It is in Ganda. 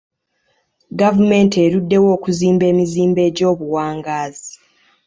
Gavumenti eruddewo okuzimba emizimbo egy'obuwangaazi.